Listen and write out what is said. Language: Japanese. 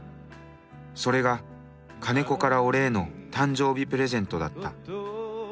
それが金子から俺への誕生日プレゼントだった。